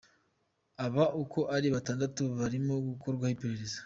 Aba uko ari batandatu barimo gukorwaho iperereza.